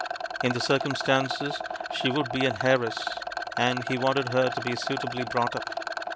In the circumstances she would be an heiress, and he wanted her to be suitably brought up.